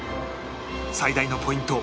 最大のポイント